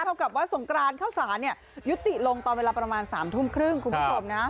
เท่ากับว่าสงกรานข้าวสารยุติลงตอนเวลาประมาณ๓ทุ่มครึ่งคุณผู้ชมนะ